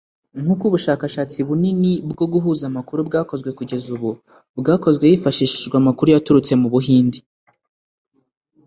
nk’uko ubushakashatsi bunini bwo guhuza amakuru bwakozwe kugeza ubu, bwakozwe hifashishijwe amakuru yaturutse mu Buhinde.